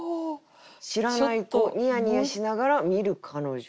「知らない子ニヤニヤしながら見る彼女」。